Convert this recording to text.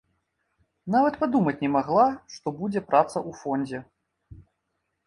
Нават падумаць не магла, што будзе праца ў фондзе.